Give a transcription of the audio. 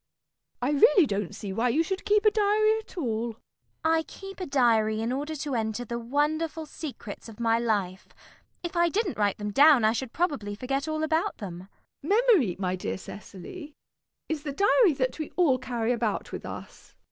I really don't see why you should keep a diary at all. CECILY. I keep a diary in order to enter the wonderful secrets of my life. If I didn't write them down, I should probably forget all about them. MISS PRISM. Memory, my dear Cecily, is the diary that we all carry about with us.